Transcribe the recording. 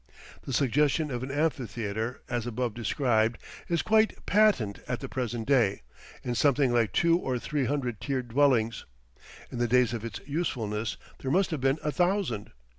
The suggestion of an amphitheatre, as above described, is quite patent at the present day, in something like two or three hundred tiered dwellings; in the days of its usefulness there must have been a thousand.